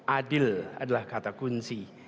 adil adalah kata kunci